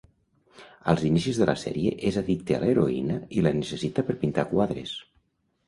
Als inicis de la sèrie és addicte a l'heroïna i la necessita per pintar quadres.